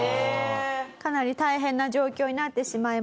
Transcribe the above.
かなり大変な状況になってしまいました。